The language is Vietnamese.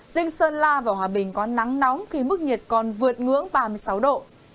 riêng sơn la và hòa bình có nắng nóng khi mức nhiệt còn vượt ngưỡng ba mươi sáu độ